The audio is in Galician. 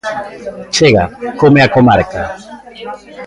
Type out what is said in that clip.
Chega "Come a Comarca".